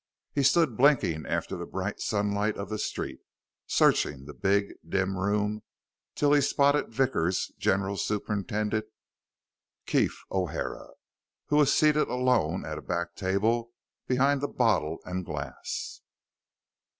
He stood blinking after the bright sunlight of the street, searching the big, dim room till he spotted Vickers' general superintendant, Keef O'Hara, who was seated alone at a back table behind a bottle and glass.